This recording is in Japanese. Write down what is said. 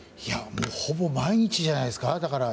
ほぼ毎日じゃないですか。